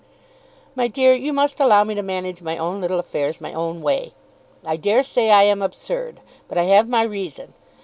"My dear, you must allow me to manage my own little affairs my own way. I dare say I am absurd. But I have my reason.